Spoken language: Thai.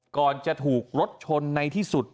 ก่อนจะถูกรถชนในที่สุด